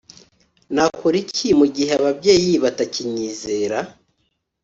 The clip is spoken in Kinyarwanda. nakora iki mu gihe ababyeyi batakinyizera